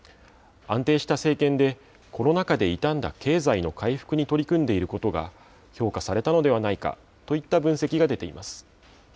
安定した政権で、コロナ禍で傷んだ経済の回復に取り組んでいることが評価されたのではないかといった分析が出ています。